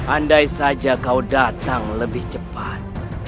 andai saja kau datang lebih cepat